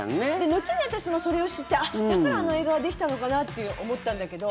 後に私もそれを知ってだから、あの映画はできたのかなって思ったんだけど。